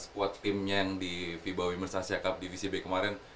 squad timnya yang di fiba wimmerce asia cup divisi b kemarin